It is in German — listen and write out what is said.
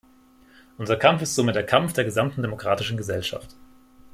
Unser Kampf ist somit der Kampf der gesamten demokratischen Gesellschaft.